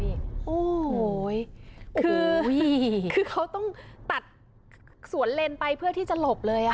โอ้โหคือเขาต้องตัดสวนเลนไปเพื่อที่จะหลบเลย